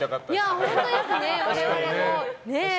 本当ですよ、我々もね。